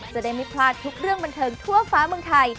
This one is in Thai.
จะได้ไม่พลาดทุกเรื่องบันเทิงทั่วฟ้าเมืองไทย